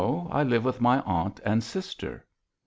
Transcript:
I live with my aunt and sister."